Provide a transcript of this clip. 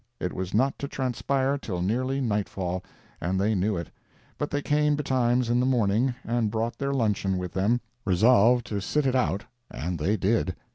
It was not to transpire till nearly night fall, and they knew it; but they came betimes in the morning, and brought their luncheon with them, resolved to sit it out—and they did.